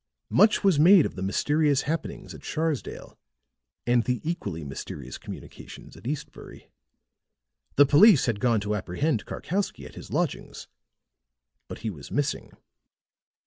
Much was made of the mysterious happenings at Sharsdale and the equally mysterious communications at Eastbury; the police had gone to apprehend Karkowsky at his lodgings, but he was missing.